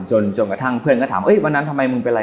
จนกระทั่งเพื่อนก็ถามวันนั้นทำไมมึงเป็นอะไร